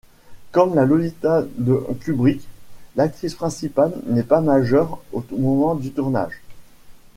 Comme la Lolita de Kubrick, l'actrice principale n'est pas majeure au moment du tournage.